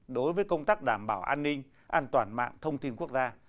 đối với công tác đảm bảo an ninh an toàn mạng thông tin quốc gia